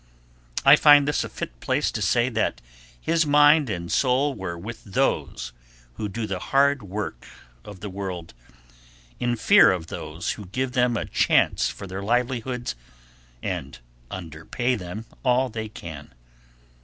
I find this a fit place to say that his mind and soul were with those who do the hard work of the world, in fear of those who give them a chance for their livelihoods and underpay them all they can.